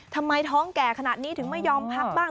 ทำไมท้องแก่ขนาดนี้ถึงไม่ยอมพักบ้าง